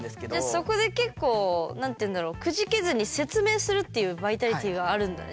そこで結構くじけずに説明するっていうバイタリティーがあるんだね